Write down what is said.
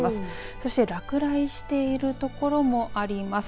そして落雷している所もあります。